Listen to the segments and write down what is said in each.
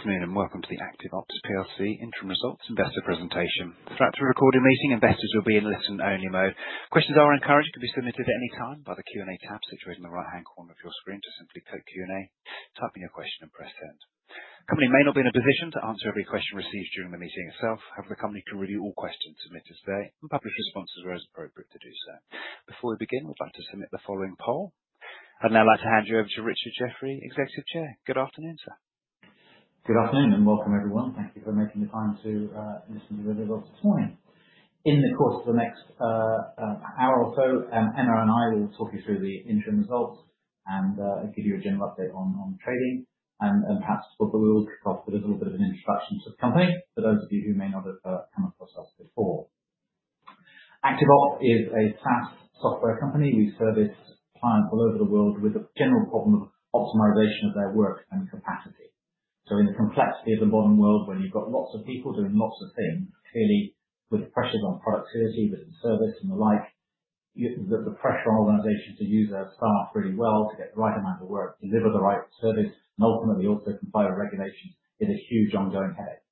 Good afternoon, and welcome to the ActiveOps PLC Interim Results Investor Presentation. Throughout the recorded meeting, investors will be in listen-only mode. Questions are encouraged to be submitted at any time by the Q&A tab situated in the right-hand corner of your screen. Just simply click Q&A, type in your question, and press send. The company may not be in a position to answer every question received during the meeting itself, however, the company can review all questions submitted today and publish responses where it is appropriate to do so. Before we begin, we'd like to submit the following poll. I'd now like to hand you over to Richard Jeffery, Executive Chair. Good afternoon, sir. Good afternoon, and welcome, everyone. Thank you for making the time to listen to us this morning. In the course of the next hour or so, Emma and I will talk you through the interim results and give you a general update on trading, and perhaps we'll kick off with a little bit of an introduction to the company for those of you who may not have come across us before. ActiveOps is a SaaS software company. We service clients all over the world with a general problem of optimization of their work and capacity. In the complexity of the modern world, where you've got lots of people doing lots of things, clearly with the pressures on productivity, with the service and the like, the pressure on organizations to use their staff really well, to get the right amount of work, deliver the right service, and ultimately also comply with regulations, is a huge ongoing headache.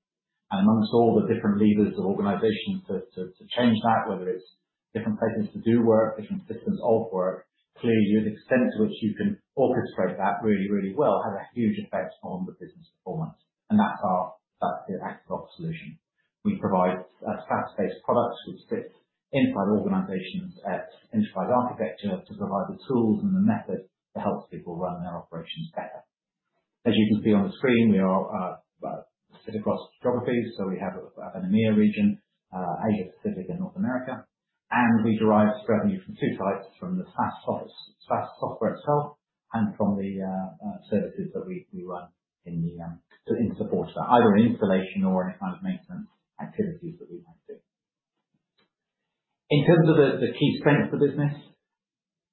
Amongst all the different levers of organizations to change that, whether it's different places to do work, different systems of work, clearly the extent to which you can orchestrate that really, really well, has a huge effect on the business performance. That's our, that's the ActiveOps solution. We provide SaaS-based products which fit inside organizations, enterprise architecture to provide the tools and the methods to help people run their operations better. As you can see on the screen, we are sit across geographies, so we have an EMEA region, Asia Pacific, and North America. We derive revenue from two types, from the SaaS software itself and from the services that we run in the to support that, either in installation or in kind of maintenance activities that we might do. In terms of the key strengths of the business,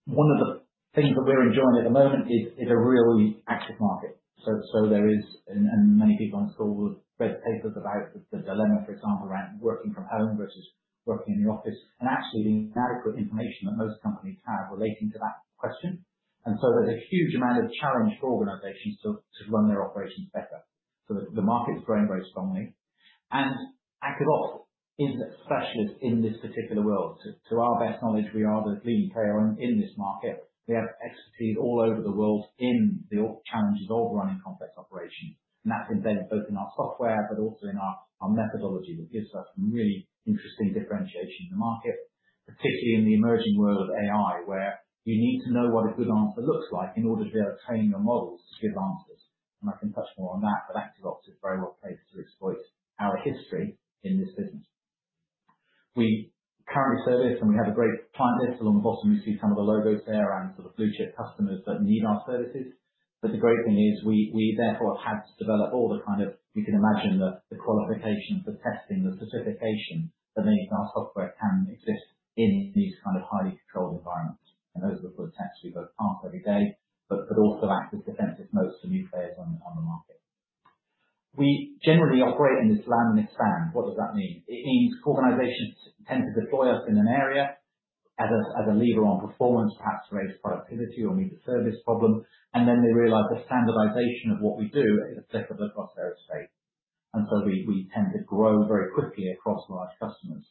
one of the things that we're enjoying at the moment is a really active market. There is. Many people on this call will have read papers about the dilemma, for example, around working from home versus working in the office, and actually the inadequate information that most companies have relating to that question. There's a huge amount of challenge for organizations to run their operations better. The, the market is growing very strongly, and ActiveOps is a specialist in this particular world. To, to our best knowledge, we are the leading player in this market. We have expertise all over the world in the challenges of running complex operations, and that's embedded both in our software but also in our methodology, which gives us some really interesting differentiation in the market, particularly in the emerging world of AI, where you need to know what a good answer looks like in order to be able to train your models to give answers. I can touch more on that, but ActiveOps is very well placed to exploit our history in this business. We currently service, and we have a great client list. Along the bottom, you see some of the logos there, and sort of blue-chip customers that need our services. The great thing is we therefore have had to develop, you can imagine the qualifications, the testing, the certification that means our software can exist in these kind of highly controlled environments. Those are the foot taps we both park every day, but could also act as defensive moats to new players on the market. We generally operate in this land and expand. What does that mean? It means organizations tend to deploy us in an area as a, as a lever on performance, perhaps to raise productivity or meet a service problem, and then they realize the standardization of what we do is applicable across their estate. So we tend to grow very quickly across large customers.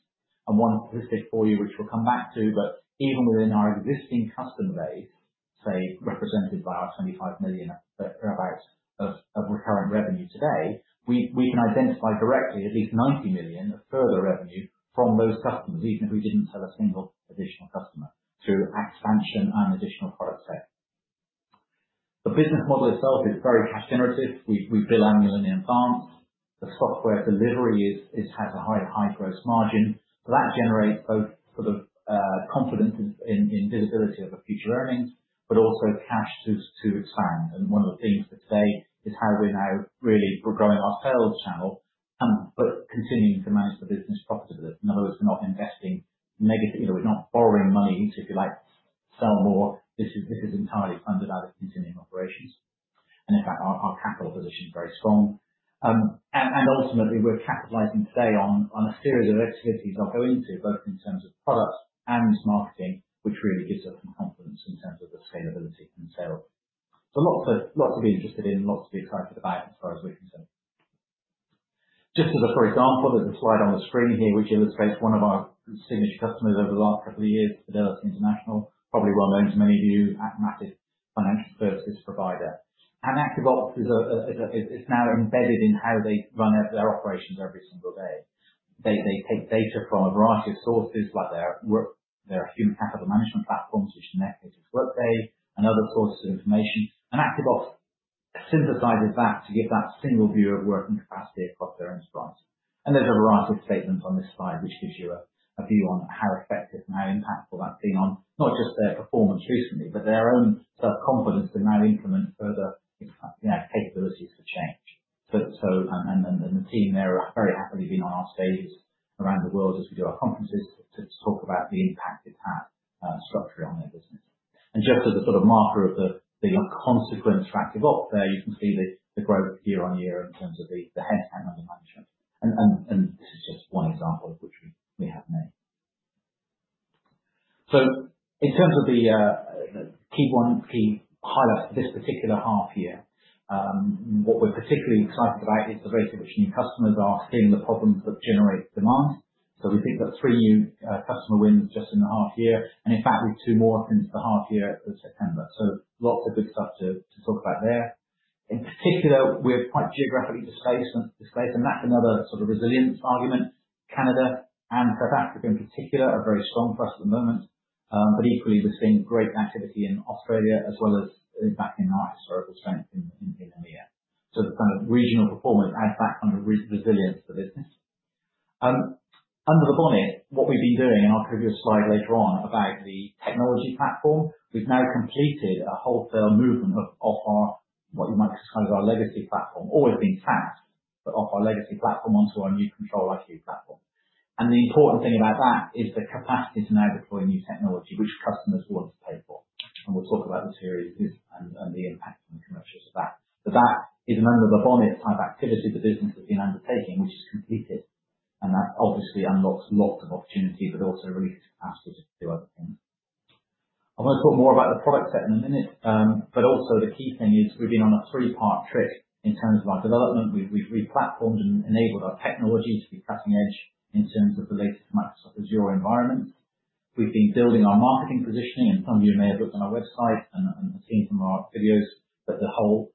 One statistic for you, which we'll come back to, but even within our existing customer base, say, represented by our 25 million of recurring revenue today, we can identify directly at least 90 million of further revenue from those customers, even if we didn't sell a single additional customer, through expansion and additional product set. The business model itself is very cash generative. We bill annually in advance. The software delivery is has a high gross margin. That generates both sort of confidence in visibility of the future earnings, but also cash to expand. One of the themes for today is how we're now really growing our sales channel, but continuing to manage the business profitably. In other words, we're not investing negatively. We're not borrowing money to, if you like, sell more. This is entirely funded out of continuing operations, in fact, our capital position is very strong. Ultimately, we're capitalizing today on a series of activities I'll go into, both in terms of products and marketing, which really gives us some confidence in terms of the sustainability and sales. Lots to be interested in and lots to be excited about, as far as we're concerned. Just as a, for example, there's a slide on the screen here which illustrates one of our distinguished customers over the last couple of years, Fidelity International, probably well known to many of you as a massive financial services provider. ActiveOps is now embedded in how they run their operations every single day. They take data from a variety of sources, like their human capital management platforms, which in their case is Workday, and other sources of information. ActiveOps synthesizes that to give that single view of work and capacity across their enterprise. There's a variety of statements on this slide, which gives you a view on how effective and how impactful that's been on not just their performance recently, but their own self-confidence to now implement further, you know, capabilities for change. The team there are very happily been on our stages around the world as we do our conferences, to talk about the impact it's had structurally on their business. Just as a sort of marker of the consequence of ActiveOps, there you can see the growth year-on-year in terms of the headcount under management. This is just one example of which we have many. In terms of the key one, key highlight for this particular half year, what we're particularly excited about is the rate at which new customers are seeing the problems that generate demand. We think that three new customer wins just in the half year, and in fact, we've two more since the half year of September. Lots of good stuff to talk about there. In particular, we're quite geographically displaced, and that's another sort of resilience argument. Canada and South Africa in particular, are very strong for us at the moment. Equally we're seeing great activity in Australia as well as in fact, in our historical strength in EMEA. The kind of regional performance adds that kind of resilience to the business. Under the bonnet, what we've been doing in our previous slide later on about the technology platform, we've now completed a wholesale movement of our, what you might describe our legacy platform, or we've been SaaS, but of our legacy platform onto our new ControliQ platform. The important thing about that is the capacity to now deploy new technology, which customers want to pay for. We'll talk about the series and the impact on the commercials of that. That is an under the bonnet type activity the business has been undertaking, which is completed, and that obviously unlocks lots of opportunity, but also really capacity to do other things. I want to talk more about the product set in a minute, also the key thing is we've been on a three-part trip in terms of our development. We've re-platformed and enabled our technology to be cutting edge in terms of the latest Microsoft Azure environment. We've been building our marketing positioning, and some of you may have looked on our website and seen some of our videos, the whole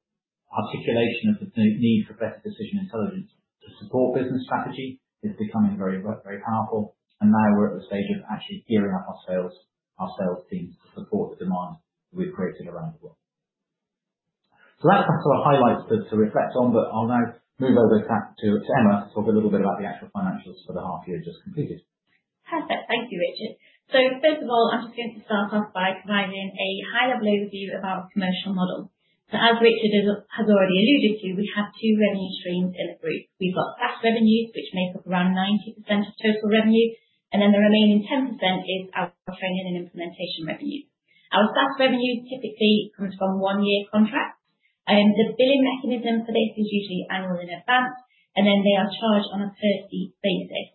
articulation of the need for better decision intelligence to support business strategy is becoming very, very powerful. Now we're at the stage of actually gearing up our sales team to support the demand we've created around the world. That's a couple of highlights to reflect on, but I'll now move over back to Emma to talk a little bit about the actual financials for the half year just completed. Perfect. Thank you, Richard Jeffery. First of all, I'm just going to start off by providing a high-level overview of our commercial model. As Richard Jeffery has already alluded to, we have two revenue streams in the group. We've got SaaS revenues, which make up around 90% of total revenue, and then the remaining 10% is our training and implementation revenue. Our SaaS revenues typically comes from one-year contracts, and the billing mechanism for this is usually annual in advance, and then they are charged on a per-seat basis.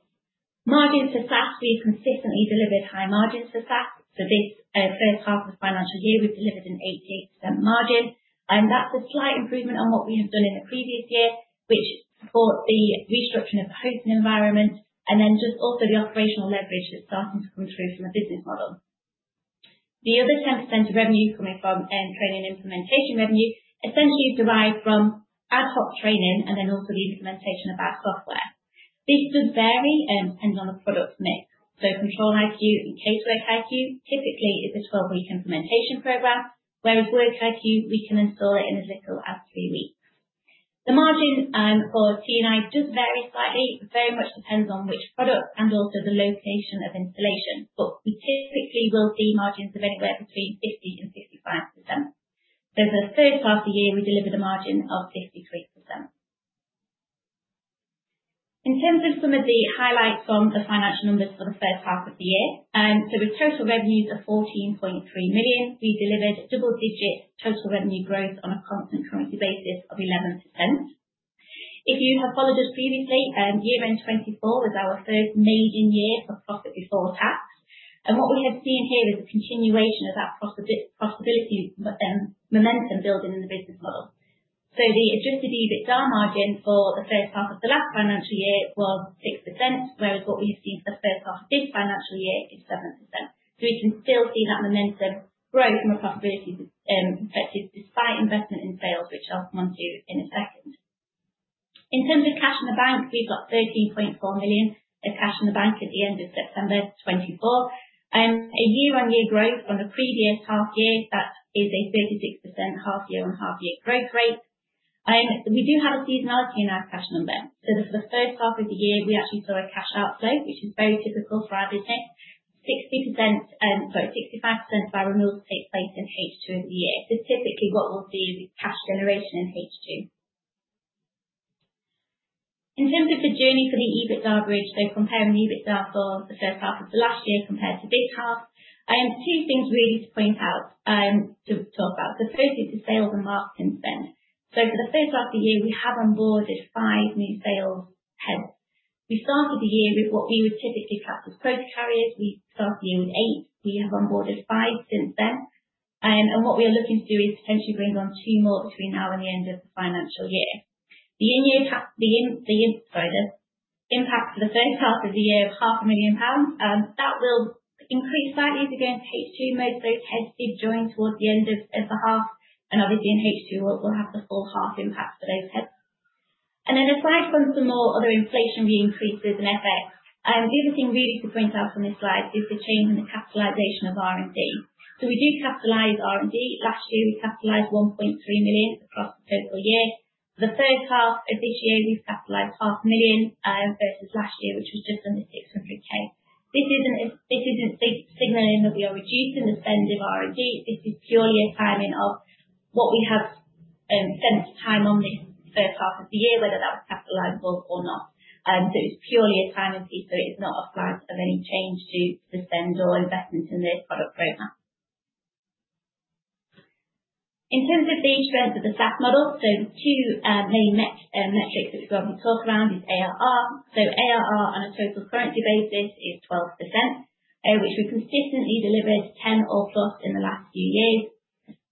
Margins for SaaS, we've consistently delivered high margins for SaaS. For this first half of financial year, we delivered an 88% margin. That's a slight improvement on what we have done in the previous year, which support the restructuring of the hosting environment and then just also the operational leverage that's starting to come through from a business model. The other 10% of revenue coming from training and implementation revenue, essentially is derived from ad hoc training and then also the implementation of our software. These could vary depending on the product mix. ControliQ and CaseworkiQ, typically is a 12-week implementation program, whereas WorkiQ, we can install it in as little as three weeks. The margin for T&I does vary slightly. It very much depends on which product and also the location of installation, we typically will see margins of anywhere between 50%-65%. For the first half of the year, we delivered a margin of 63%. In terms of some of the highlights from the financial numbers for the first half of the year, with total revenues of 14.3 million, we delivered double digit total revenue growth on a constant currency basis of 11%. If you have followed us previously, year-end 2024 was our first major year for profit before tax. What we have seen here is a continuation of that profit, profitability, momentum building in the business model. The adjusted EBITDA margin for the first half of the last financial year was 6%, whereas what we've seen for the first half of this financial year is 7%. We can still see that momentum grow from a profitability perspective, despite investment in sales, which I'll come onto in a second. In terms of cash in the bank, we've got 13.4 million in cash in the bank at the end of September 2024. A year-on-year growth on the previous half year, that is a 36% half-year-on-half-year growth rate. We do have a seasonality in our cash numbers. For the first half of the year, we actually saw a cash outflow, which is very typical for our business. 60%, sorry, 65% of our renewals take place in H2 of the year. Typically what we'll see is cash generation in H2. In terms of the journey for the EBITDA bridge, comparing the EBITDA for the first half of last year compared to this half, I have two things really to point out to talk about. The first is the sales and marketing spend. For the first half of the year, we have onboarded five new sales heads. We started the year with what we would typically class as quota carriers. We started the year with eight. We have onboarded five since then. What we are looking to do is potentially bring on two more between now and the end of the financial year. The in-year. Sorry, the impact for the first half of the year of half a million GBP, that will increase slightly against H2. Most of those heads did join towards the end of the half, and obviously in H2 we'll have the full half impact for those heads. Aside from some more other inflation increases in FX, the other thing really to point out from this slide is the change in the capitalization of R&D. We do capitalize R&D. Last year, we capitalized 1.3 million across the total year. The first half of this year, we've capitalized half a million GBP, versus last year, which was just under 600K. This isn't signaling that we are reducing the spend of R&D, this is purely a timing of what we have spent time on the first half of the year, whether that's capitalizable or not. It's purely a timing piece, so it is not a sign of any change to the spend or investment in this product roadmap. In terms of the strength of the SaaS model, two main metrics that we often talk around is ARR. ARR on a total currency basis is 12%, which we consistently delivered 10 or plus in the last few years.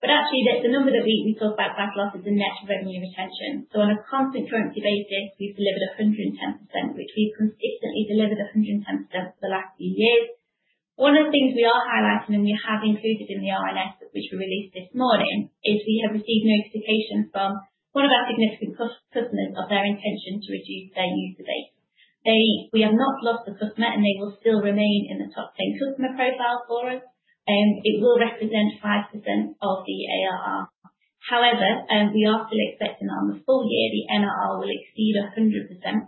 Actually, the number that we talk about quite a lot is the net revenue retention. On a constant currency basis, we've delivered 110%, which we've consistently delivered 110% for the last few years. One of the things we are highlighting, and we have included in the RNS, which we released this morning, is we have received notification from one of our significant customers of their intention to reduce their user base. We have not lost the customer, and they will still remain in the top 10 customer profile for us, and it will represent 5% of the ARR. However, we are still expecting on the full year, the NRR will exceed 100%,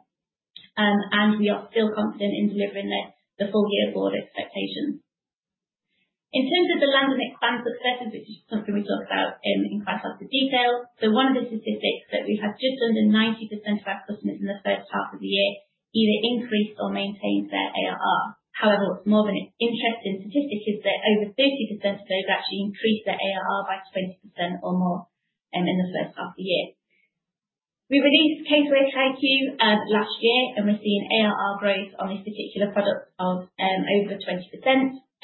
and we are still confident in delivering the full year board expectations. In terms of the land and expansion efforts, which is something we talked about in quite a lot of detail. One of the statistics that we have just under 90% of our customers in the first half of the year, either increased or maintained their ARR. However, what's more of an interesting statistic is that over 30% of those actually increased their ARR by 20% or more in the first half of the year. We released CaseworkiQ last year, and we're seeing ARR growth on this particular product of over 20%.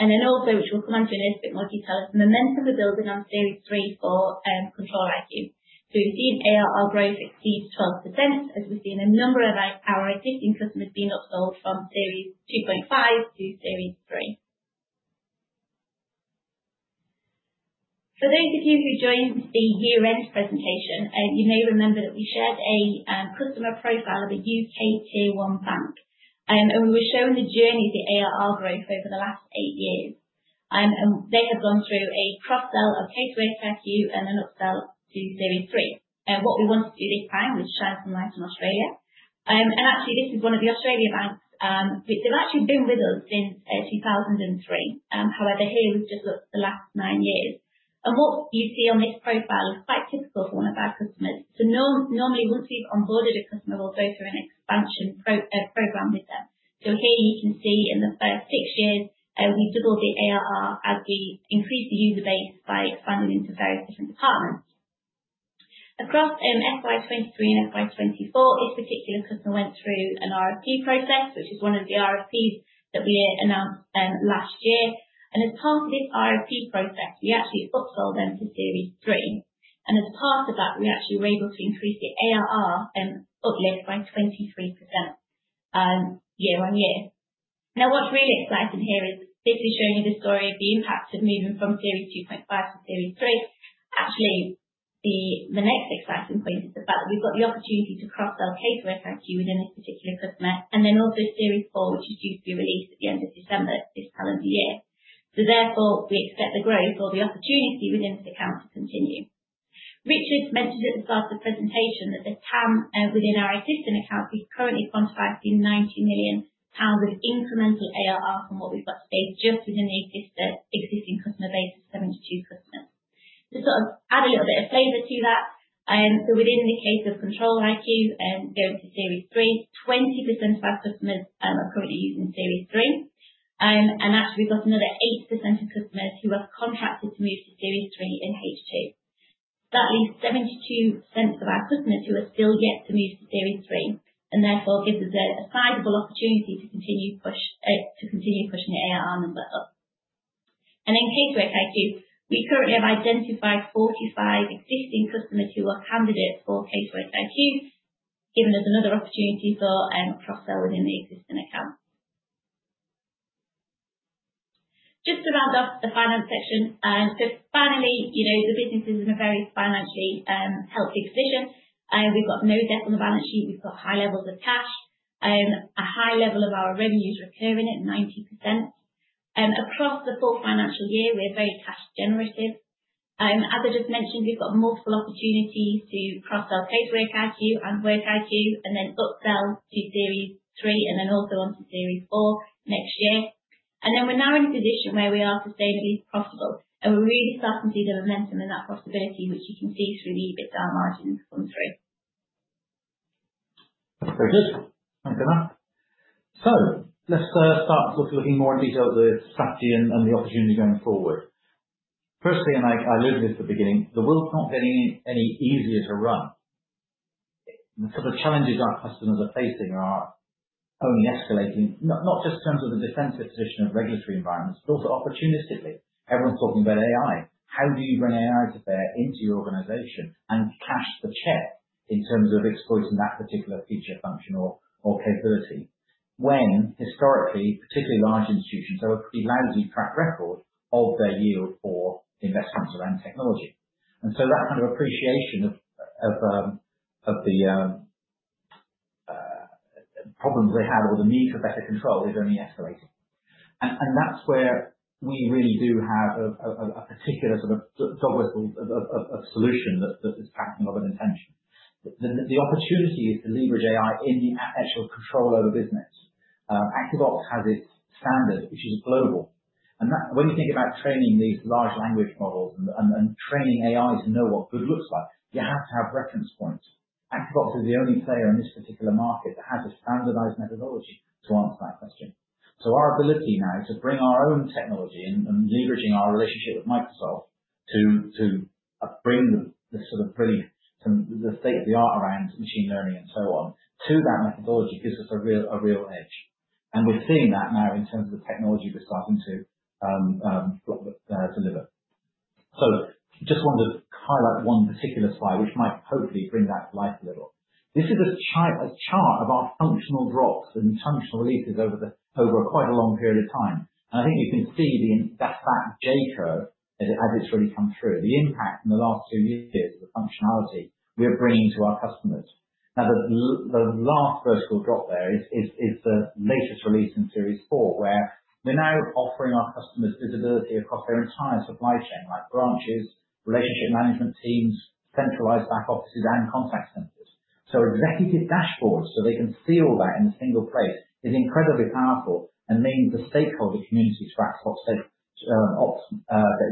Also, which we'll come on to in a little bit more detail, the momentum we're building on Series 3 for ControliQ. We've seen ARR growth exceed 12%, as we've seen a number of our existing customers being upsold from Series 2.5 to Series 3. For those of you who joined the year-end presentation, you may remember that we shared a customer profile of a U.K. Tier 1 bank. We were showing the journey of the ARR growth over the last eight years. They have gone through a cross-sell of CaseworkiQ and an upsell to Series 3. What we want to do this time is shine some light on Australia. Actually, this is one of the Australian banks. They've actually been with us since 2003. However, here we've just looked at the last nine years. What you see on this profile is quite typical for one of our customers. Normally, once we've onboarded a customer, we'll go through an expansion program with them. Here you can see in the first six years, we doubled the ARR as we increased the user base by expanding into various different departments. Across FY 2023 and FY 2024, this particular customer went through an RFP process, which is one of the RFPs that we announced last year. As part of this RFP process, we actually upsold them to Series 3, and as part of that, we actually were able to increase the ARR uplift by 23% year-on-year. What's really exciting here is this is showing you the story of the impact of moving from Series 2.5 to Series 3. Actually, the next exciting point is the fact that we've got the opportunity to cross-sell CaseworkiQ within this particular customer, and then also Series 4, which is due to be released at the end of December this calendar year. Therefore, we expect the growth or the opportunity within this account to continue. Richard mentioned at the start of the presentation that the TAM within our existing accounts is currently quantified in 90 million pounds with incremental ARR from what we've got today, just within the existing customer base of 72 customers. To sort of add a little bit of flavor to that, so within the case of ControliQ, going to Series 3, 20% of our customers are currently using Series 3. Actually we've got another 8% of customers who have contacted to move to Series 3 in Q2. That leaves 72% of our customers who are still yet to move to Series 3, and therefore, gives us a sizable opportunity to continue pushing the ARR numbers up. In CaseworkiQ, we currently have identified 45 existing customers who are candidates for CaseworkiQ, giving us another opportunity for cross-sell within the existing account. Just to round off the finance section. Finally, you know, the business is in a very financially healthy position. We've got no debt on the balance sheet, we've got high levels of cash, a high level of our revenue is recurring at 90%. Across the full financial year, we are very cash generative. As I just mentioned, we've got multiple opportunities to cross-sell CaseworkiQ and WorkiQ, and then upsell to Series 3, and then also on to Series 4 next year. We're now in a position where we are sustainably profitable, and we're really starting to see the momentum and that profitability, which you can see through the EBITDA margin come through. Thank you. Thank you very much. Let's start looking more in detail at the strategy and the opportunity going forward. Firstly, I alluded at the beginning, the world's not getting any easier to run. The sort of challenges our customers are facing are only escalating, not just in terms of the defensive position of regulatory environments, but also opportunistically. Everyone's talking about AI. How do you bring AI to bear into your organization and cash the check in terms of exploiting that particular feature, function, or capability, when historically, particularly large institutions, have a pretty lousy track record of their yield for investments around technology? That kind of appreciation of the problems they have or the need for better control is only escalating. That's where we really do have a particular sort of solution that is packing a lot of intention. The opportunity is to leverage AI in the actual control over business. ActiveOps has its standard, which is global. When you think about training these large language models and training AI to know what good looks like, you have to have reference points. ActiveOps is the only player in this particular market that has a standardized methodology to answer that question. Our ability now to bring our own technology and leveraging our relationship with Microsoft to bring the sort of brilliant, the state-of-the-art around machine learning and so on, to that methodology, gives us a real edge. We're seeing that now in terms of the technology we're starting to deliver. Just wanted to highlight one particular slide, which might hopefully bring that to life a little. This is a chart of our functional drops and functional releases over quite a long period of time. I think you can see that J curve as it, how it's really come through. The impact in the last two years, the functionality we are bringing to our customers. Now, the last vertical drop there is the latest release in Series 4, where we're now offering our customers visibility across their entire supply chain, like branches, relationship management teams, centralized back offices, and contact centers. Executive dashboards, so they can see all that in a single place, is incredibly powerful and means the stakeholder community for ActiveOps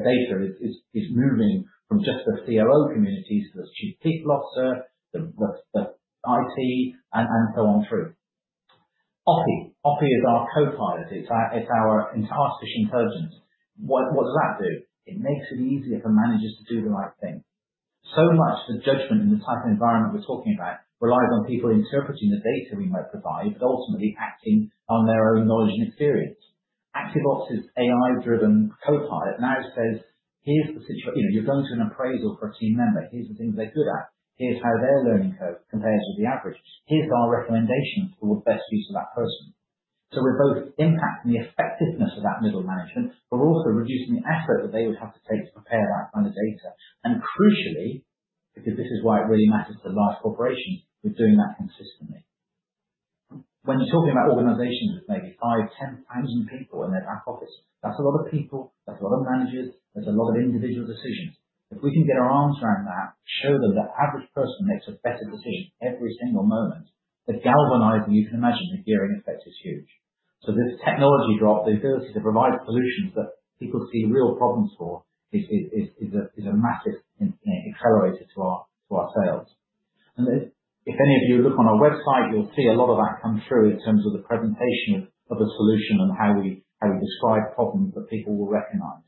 data is moving from just the CRO communities to the chief people officer, the IT, and so on through. Oppy. Oppy is our copilot. It's our artificial intelligence. What does that do? It makes it easier for managers to do the right thing. So much of the judgment in the type of environment we're talking about relies on people interpreting the data we might provide, but ultimately acting on their own knowledge and experience. ActiveOps' AI-driven copilot now says, You know, "You're going to an appraisal for a team member. Here's the things they're good at. Here's how their learning curve compares with the average. Here's our recommendation for the best use of that person. We're both impacting the effectiveness of that middle management, but also reducing the effort that they would have to take to prepare that kind of data. Crucially, because this is why it really matters to large corporations, we're doing that consistently. When you're talking about organizations with maybe five, 10,000 people in their back office, that's a lot of people, that's a lot of managers, that's a lot of individual decisions. If we can get our arms around that, show them the average person makes a better decision every single moment, the galvanizing, you can imagine, the gearing effect is huge. This technology drop, the ability to provide solutions that people see real problems for, is a massive accelerator to our, to our sales. If any of you look on our website, you'll see a lot of that come through in terms of the presentation of a solution and how we describe problems that people will recognize.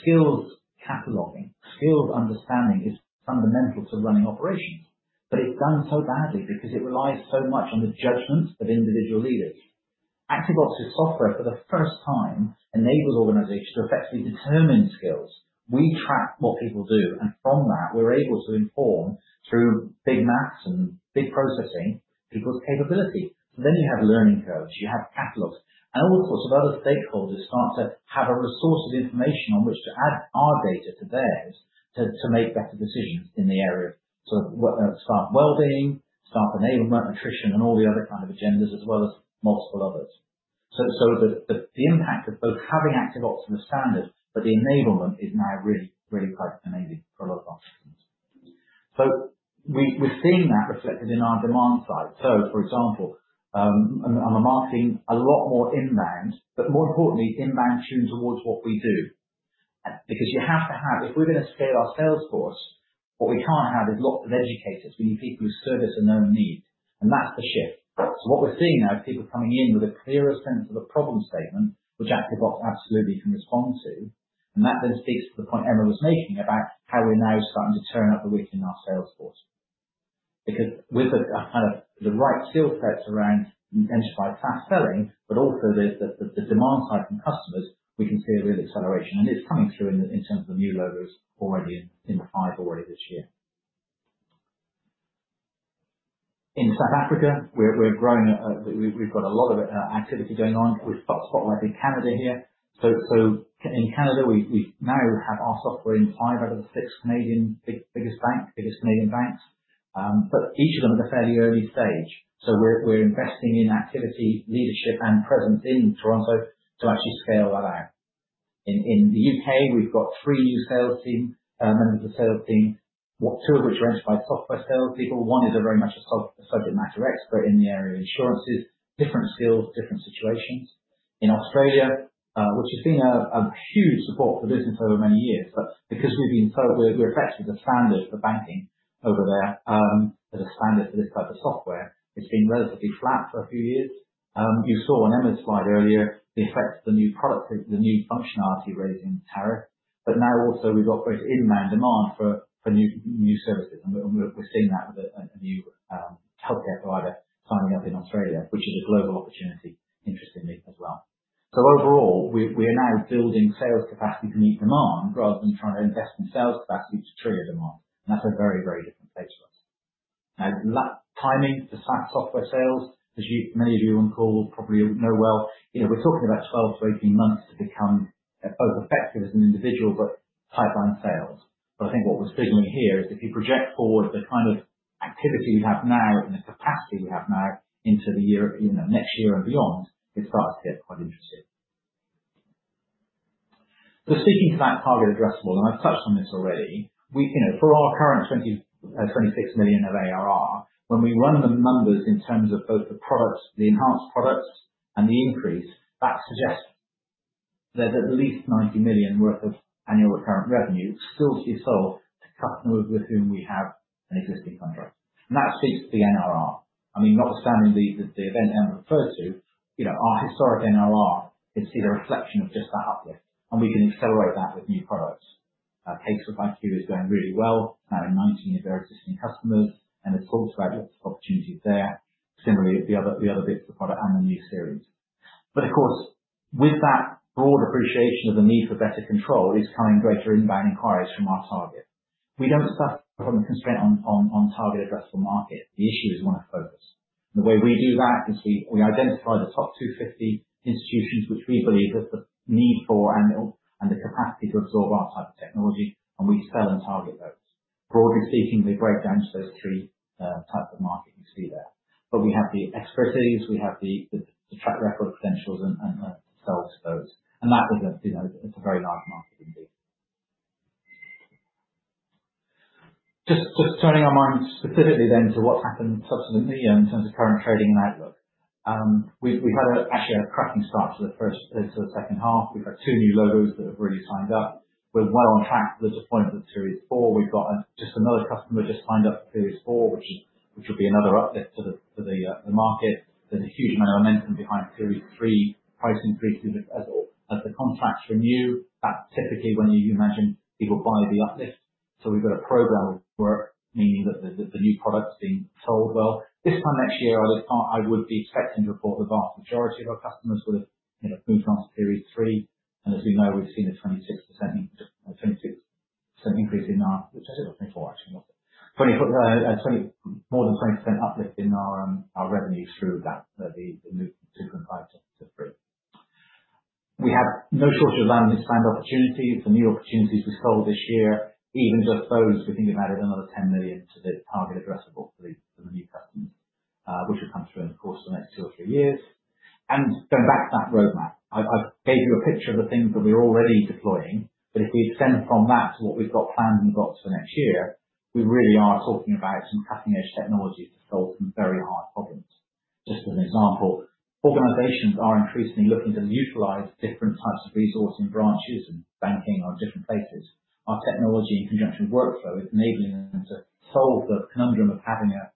Skills cataloging, skills understanding, is fundamental to running operations, but it's done so badly because it relies so much on the judgment of individual leaders. ActiveOps' software, for the first time, enables organizations to effectively determine skills. We track what people do, and from that, we're able to inform, through big math and big processing, people's capability. You have learning curves, you have catalogs, and all sorts of other stakeholders start to have a source of information on which to add our data to theirs, to make better decisions in the area. Whether staff wellbeing, staff enablement, attrition, and all the other kind of agendas, as well as multiple others. The impact of both having ActiveOps as a standard, but the enablement is now really, really quite amazing for a lot of our customers. We're seeing that reflected in our demand side. For example, on the marketing, a lot more inbound, but more importantly, inbound tuned towards what we do. Because if we're going to scale our sales force, what we can't have is lots of educators. We need people who service a known need, and that's the shift. What we're seeing now is people coming in with a clearer sense of the problem statement, which ActiveOps absolutely can respond to. That then speaks to the point Emma was making about how we're now starting to turn up the wick in our sales force. With the right skill sets around identified cross-selling, but also the demand side from customers, we can see a real acceleration. It's coming through in terms of the new logos already in the pipe already this year. In South Africa, we're growing at. We've got a lot of activity going on. We've got Spotlight in Canada here. In Canada, we now have our software in five out of the six Canadian biggest Canadian banks, but each of them at a fairly early stage. We're investing in activity, leadership, and presence in Toronto to actually scale that out. In the U.K., we've got three new sales team members of the sales team, two of which are identified software sales people. One is a very much a subject matter expert in the area of insurances, different skills, different situations. In Australia, which has been a huge support for business over many years, but because we've been. We're effectively the standard for banking over there, as a standard for this type of software, it's been relatively flat for a few years. You saw on Emma's slide earlier, the effect of the new product, the new functionality raised in tariff, but now also we've got both inbound demand for new services, and we're seeing that with a new healthcare provider signing up in Australia, which is a global opportunity, interestingly, as well. Overall, we are now building sales capacity to meet demand, rather than trying to invest in sales capacity to trigger demand. That's a very different place for us. Now, timing to software sales, as you, many of you on the call probably know well, you know, we're talking about 12 to 18 months to become both effective as an individual, but pipeline sales. I think what we're signaling here is if you project forward the kind of activity we have now and the capacity we have now into the year, you know, next year and beyond, it starts to get quite interesting. Speaking to that target addressable, and I've touched on this already, we, you know, for our current 26 million of ARR, when we run the numbers in terms of both the products, the enhanced products and the increase, that suggests. There's at least 90 million worth of annual recurrent revenue still to be sold to customers with whom we have an existing contract. That speaks to the NRR. I mean, notwithstanding the event Emma referred to, you know, our historic NRR can see the reflection of just that uplift, and we can accelerate that with new products. CaseworkiQ is going really well. Now in 19 of their existing customers, and there's lots of opportunities there. Similarly, the other bits of the product and the new series. Of course, with that broad appreciation of the need for better control is coming greater inbound inquiries from our target. We don't suffer from a constraint on target addressable market. The issue is one of focus. The way we identify the top 250 institutions which we believe have the need for, and the capacity to absorb our type of technology, and we sell and target those. Broadly speaking, they break down to those three types of market you see there. We have the expertise, we have the track record credentials and sell to those. That is a, you know, it's a very large market indeed. Just turning our minds specifically then to what's happened subsequently, in terms of current trading and outlook. We've had actually a cracking start to the first to the second half. We've had two new logos that have already signed up. We're well on track with the deployment of Series 4. We've got just another customer signed up for Series 4, which will be another uplift to the market. There's a huge amount of momentum behind Series 3 price increases. As the contracts renew, that's typically when you imagine people buy the uplift. We've got a program of work, meaning that the new product's being sold well. This time next year, I would be expecting to report the vast majority of our customers would have, you know, moved on to Series 3. As we know, we've seen a 26%, 22% increase in our actually, more than 20% uplift in our revenues through that, the move from five to three. We have no shortage of avenues to find opportunities. The new opportunities we sold this year, even just those, we think have added another 10 million to the target addressable for the new customers, which will come through in the course of the next two or three years. Going back to that roadmap. I've gave you a picture of the things that we're already deploying, but if we extend from that to what we've got planned and got for next year, we really are talking about some cutting edge technology to solve some very hard problems. Just as an example, organizations are increasingly looking to utilize different types of resource in branches and banking on different places. Our technology, in conjunction with workflow, is enabling them to solve the conundrum of having a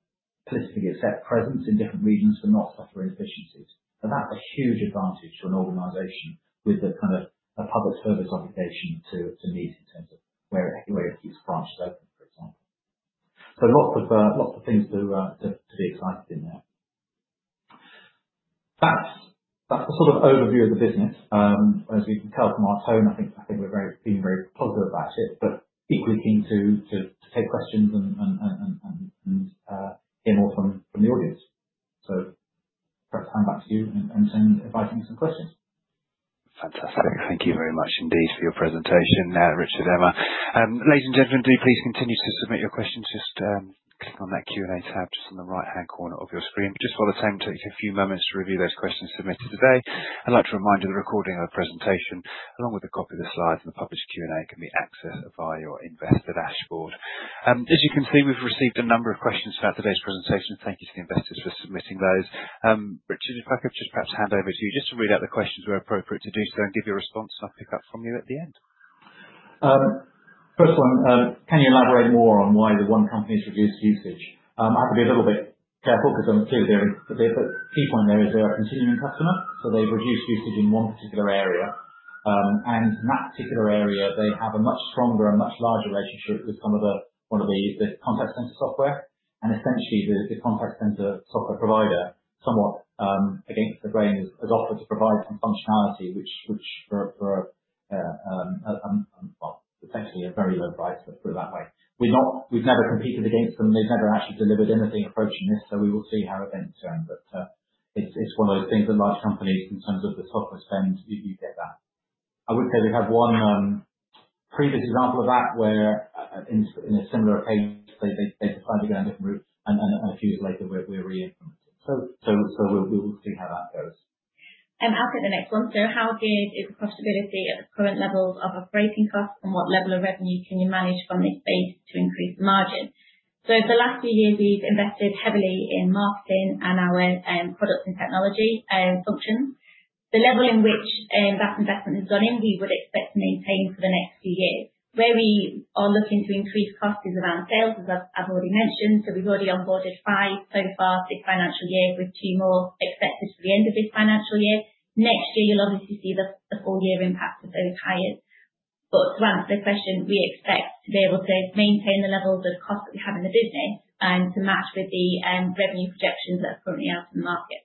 physically accept presence in different regions and not suffer inefficiencies. That's a huge advantage to an organization with a kind of a public service obligation to meet in terms of where it keeps branches open, for example. Lots of things to be excited in there. That's the sort of overview of the business. As you can tell from our tone, I think being very positive about it, but equally keen to take questions and hear more from the audience. Chris, I hand back to you and invite some questions. Fantastic. Thank you very much indeed for your presentation, Richard Jeffery, Emma. Ladies and gentlemen, do please continue to submit your questions. Just click on that Q&A tab just on the right-hand corner of your screen. Just while the team takes a few moments to review those questions submitted today, I'd like to remind you the recording of the presentation, along with a copy of the slides and the published Q&A, can be accessed via your investor dashboard. As you can see, we've received a number of questions about today's presentation. Thank you to the investors for submitting those. Richard Jeffery, if I could just perhaps hand over to you just to read out the questions where appropriate, to do so and give your response, and I'll pick up from you at the end. First one: Can you elaborate more on why the one company reduced usage? I have to be a little bit careful because obviously the key point there is they're a continuing customer, so they've reduced usage in one particular area. In that particular area, they have a much stronger and much larger relationship with one of the contact center software. Essentially, the contact center software provider, somewhat, against the grain, has offered to provide some functionality which, for, well, essentially a very low price, put it that way. We've never competed against them. They've never actually delivered anything approaching this, so we will see how events turn, but, it's one of those things with large companies in terms of the software spend, you get that. I would say we have one previous example of that, where, in a similar case, they decided to go down a different route and a few years later, we're re-implemented. We'll see how that goes. I'll take the next one. How good is profitability at the current levels of operating costs, and what level of revenue can you manage from this base to increase margin? For the last few years, we've invested heavily in marketing and our product and technology functions. The level in which that investment has gone in, we would expect to maintain for the next few years. Where we are looking to increase costs is around sales, as I've already mentioned. We've already onboarded five so far this financial year, with two more expected for the end of this financial year. Next year, you'll obviously see the full year impact of those hires. To answer the question, we expect to be able to maintain the levels of cost that we have in the business and to match with the revenue projections that are currently out in the market.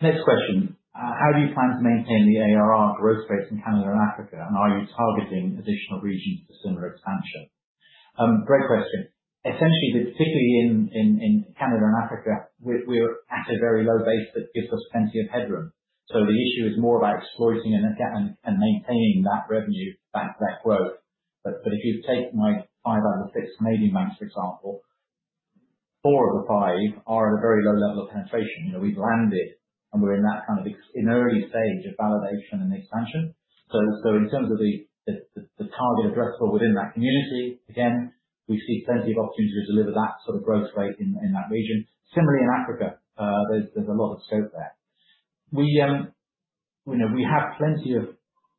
Next question. How do you plan to maintain the ARR growth rate in Canada and Africa, and are you targeting additional regions for similar expansion? Great question. Essentially, particularly in Canada and Africa, we're at a very low base that gives us plenty of headroom. The issue is more about exploiting and maintaining that revenue, that growth. If you take my five out of the six Canadian biggest banks, for example, four of the five are at a very low level of penetration. You know, we've landed and we're in that kind of early stage of validation and expansion. In terms of the target addressable within that community, again, we see plenty of opportunity to deliver that sort of growth rate in that region. Similarly, in Africa, there's a lot of scope there. We, you know, we have plenty of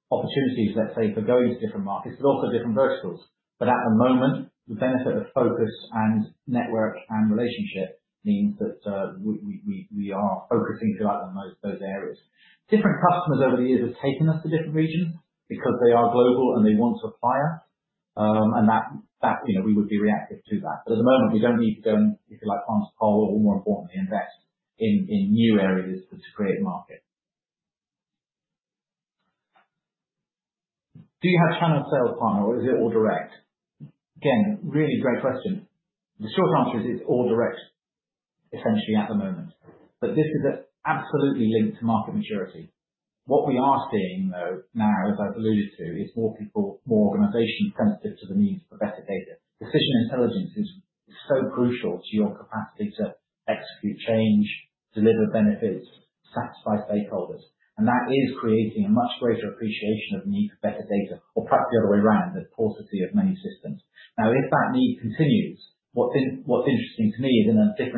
opportunities, let's say, for going to different markets, but also different verticals. At the moment, the benefit of focus and network and relationship means that we are focusing throughout on those areas. Different customers over the years have taken us to different regions because they are global and they want to acquire. That, you know, we would be reactive to that. At the moment, we don't need to, if you like, punch pole or more importantly, invest in new areas to create a market. Do you have channel sales partner or is it all direct? Again, really great question. The short answer is it's all direct, essentially, at the moment, but this is absolutely linked to market maturity. What we are seeing, though, now, as I've alluded to, is more people, more organizations sensitive to the needs of better data. decision intelligence is so crucial to your capacity to execute change, deliver benefits, satisfy stakeholders, and that is creating a much greater appreciation of need for better data,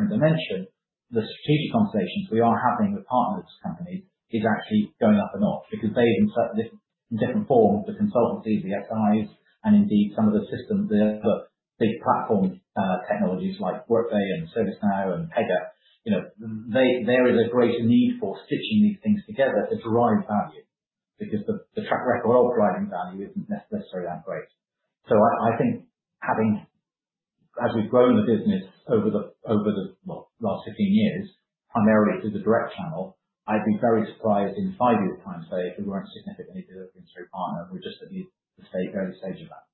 or perhaps the other way around, the paucity of many systems. If that need continues, what's interesting to me is in a different dimension, the strategic conversations we are having with partners companies is actually going up a notch because they, in certain different forms, the consultancies, the FIs, and indeed some of the systems, the big platform technologies like Workday and ServiceNow and Pega, you know, there is a greater need for stitching these things together to derive value, because the track record of driving value isn't necessarily that great. I think having as we've grown the business over the, over the, well, last 15 years, primarily through the direct channel, I'd be very surprised in five years' time, say, if we weren't significantly delivering through partner. We're just at the early stage of that.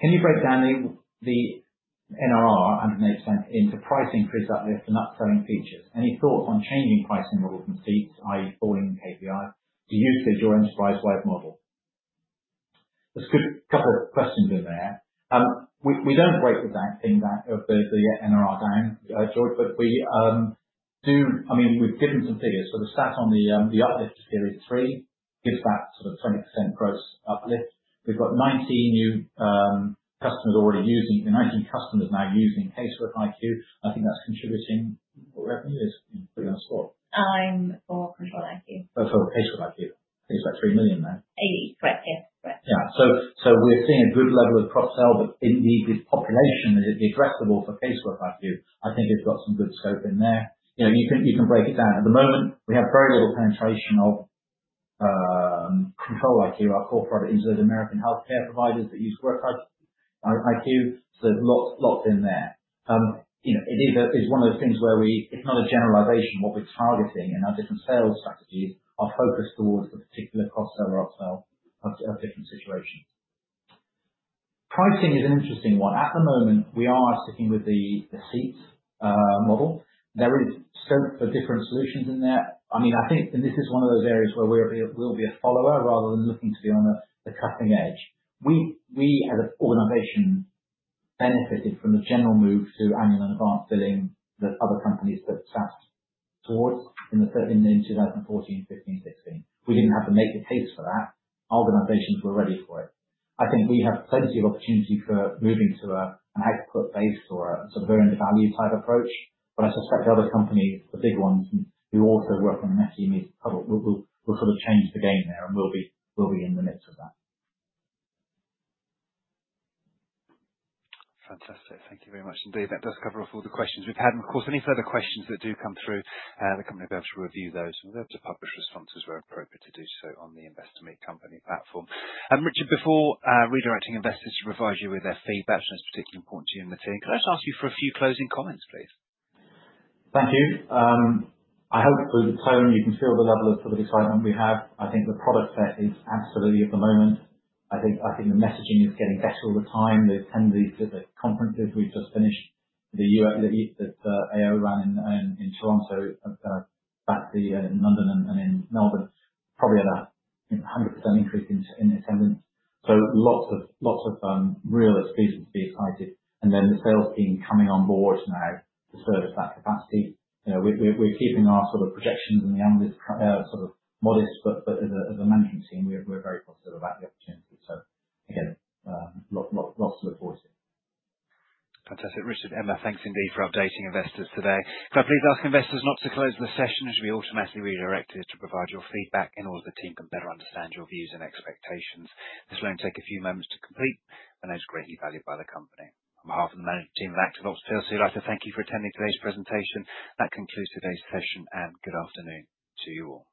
"Can you break down the NRR, 180% into pricing, increase, uplift, and upselling features? Any thoughts on changing pricing models from seats, i.e., falling KPI to usage or enterprise-wide model?" There's a good couple of questions in there. We don't break it down in that, of the NRR down, George, but we do. I mean, we've given some figures. The stat on the uplift to Series 3 gives that sort of 20% gross uplift. We've got 19 customers now using CaseworkiQ. I think that's contributing, whatever it is in putting on spot. For ControliQ. CaseworkiQ. It's like 3 million now. 80. Correct. Yeah. Correct. We're seeing a good level of cross-sell, indeed, this population, is it addressable for CaseworkiQ? I think it's got some good scope in there. You know, you can break it down. At the moment, we have very little penetration of ControliQ, our core product into those American healthcare providers that use CaseworkiQ. There's lots in there. You know, it is, it's one of those things where it's not a generalization. What we're targeting in our different sales strategies are focused towards a particular cross-sell or up-sell of different situations. Pricing is an interesting one. At the moment, we are sticking with the seats model. There is scope for different solutions in there. I mean, I think, and this is one of those areas where we'll be a follower rather than looking to be on the cutting edge. We, as an organization, benefited from the general move to annual and advanced billing that other companies have tapped towards in 2013, in 2014, 2015, 2016. We didn't have to make the case for that. Organizations were ready for it. I think we have plenty of opportunity for moving to an output base or a sort of value type approach, but I suspect the other companies, the big ones, who also work in the ME public, will sort of change the game there, and we'll be in the midst of that. Fantastic. Thank you very much indeed. That does cover off all the questions we've had. Of course, any further questions that do come through, the company will be able to review those, and we're able to publish responses where appropriate, to do so on the Investor Meet Company platform. Richard, before redirecting investors to provide you with their feedback, which is particularly important to you and the team, can I just ask you for a few closing comments, please? Thank you. I hope from the tone, you can feel the level of sort of excitement we have. I think the product set is absolutely at the moment. I think the messaging is getting better all the time. The attendees to the conferences, we've just finished the U.S., the AOMi in Toronto, back in London and in Melbourne, probably at a 100% increase in attendance. lots of real reasons to be excited. The sales team coming on board now to service that capacity. You know, we're keeping our sort of projections and the analyst sort of modest, but as a management team, we're very positive about the opportunity. Again, lots to look forward to. Fantastic. Richard, Emma, thanks indeed for updating investors today. Can I please ask investors not to close the session, as we automatically redirect you to provide your feedback in order that the team can better understand your views and expectations. This will only take a few moments to complete, and it's greatly valued by the company. On behalf of the management team and ActiveOps, I'd also like to thank you for attending today's presentation. That concludes today's session, and good afternoon to you all.